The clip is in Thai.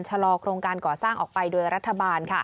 ชะลอโครงการก่อสร้างออกไปโดยรัฐบาล